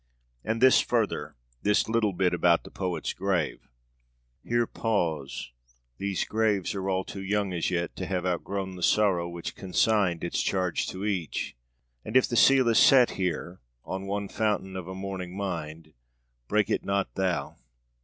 And this further, this little bit about the poet's grave: Here pause, these graves are all too young as yet, to have outgrown the sorrow which consigned its charge to each; and if the seal is set, here, on one fountain of a mourning mind, break it not thou!...